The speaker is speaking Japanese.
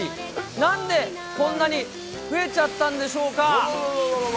なんでこんなに増えちゃったんでしょうか。